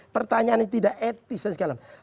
pertanyaan yang tidak etis dan segala macam